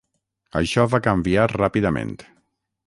Això va canviar ràpidament.